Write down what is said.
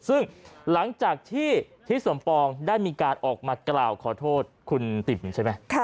ซึ่งหลังจากที่ทิศสมปองได้มีการออกมากล่าวขอโทษคุณติ๋มใช่ไหม